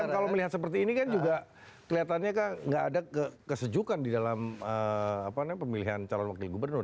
kalau melihat seperti ini kan juga kelihatannya nggak ada kesejukan di dalam pemilihan calon wakil gubernur